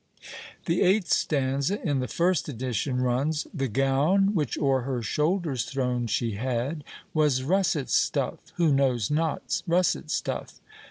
The eighth stanza, in the first edition, runs, The gown, which o'er her shoulders thrown she had, Was russet stuff (who knows not russet stuff?)